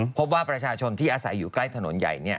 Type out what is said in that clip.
พบว่าประชาชนที่อาศัยอยู่ใกล้ถนนใหญ่